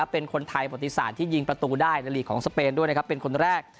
เป็นคนไทยประติศาสตร์ที่ยิงประตูได้ในลีกของสเปนด้วยนะครับเป็นคนแรก